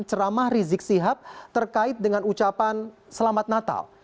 ceramah rizik sihab terkait dengan ucapan selamat natal